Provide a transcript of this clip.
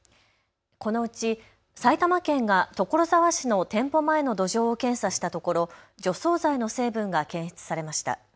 このうち埼玉県が所沢市の店舗前の土壌を検査したところ除草剤の成分が検出されました。